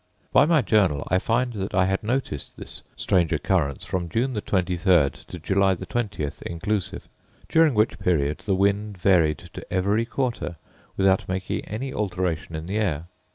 By my journal I find that I had noticed this strange occurrence from June 23 to July 20 inclusive, during which period the wind varied to every quarter without making any alteration in the air.